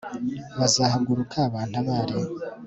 bazahaguruka bantabare